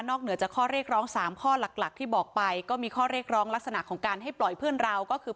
เหนือจากข้อเรียกร้อง๓ข้อหลักหลักที่บอกไปก็มีข้อเรียกร้องลักษณะของการให้ปล่อยเพื่อนเราก็คือ